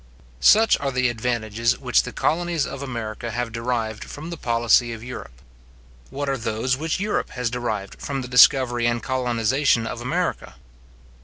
Such are the advantages which the colonies of America have derived from the policy of Europe. What are those which Europe has derived from the discovery and colonization of America?